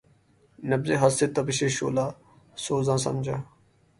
نبضِ خس سے تپشِ شعلہٴ سوزاں سمجھا